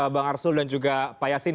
bang arsul dan juga pak yasin